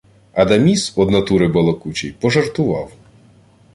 Адаміс, од натури балакучий, пожартував: